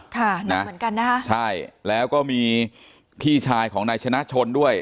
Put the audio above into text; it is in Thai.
หนักเหมือนกันนะฮะใช่แล้วก็มีพี่ชายของนายชนะชนด้วย